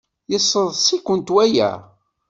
Yesseḍs-ikent waya?